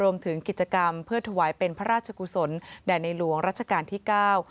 รวมถึงกิจกรรมเพื่อถวายเป็นพระราชกุศลแด่ในหลวงรัชกาลที่เก้า